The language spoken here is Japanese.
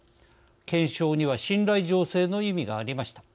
検証には信頼醸成の意味がありました。